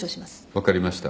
分かりました。